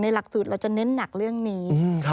หลักสูตรเราจะเน้นหนักเรื่องนี้